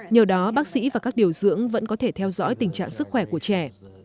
nhờ đó bác sĩ và các điều dưỡng vẫn có thể theo dõi tình trạng sức khỏe của trẻ